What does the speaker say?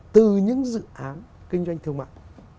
dự án kinh doanh thương mại